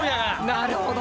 なるほど。